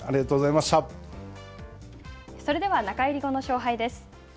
それでは、中入り後の勝敗です。